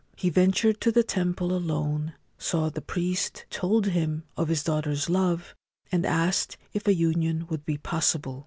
He ventured to the temple alone, saw the priest, told him of his daughter's love, and asked if a union would be possible.